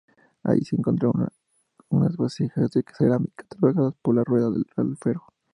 Ahí se encontraron unas vasijas de cerámica trabajadas con la rueda del alfarero.